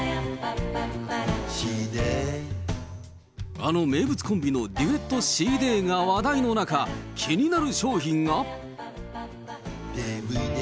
あの名物コンビのデュエットシーデーが話題の中、気になる商品が。